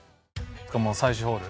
もう最終ホール。